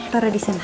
taruh di sana